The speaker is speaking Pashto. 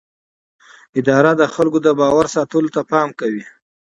اداره د خلکو د باور ساتلو ته پام کوي.